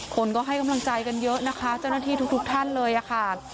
คนก็ให้กำลังใจกันเยอะนะคะเจ้าหน้าที่ทุกท่านเลยค่ะ